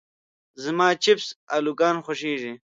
زما چپس الوګان خوښيږي.